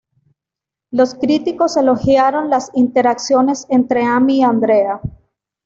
Los críticos elogiaron las interacciones entre Amy y Andrea.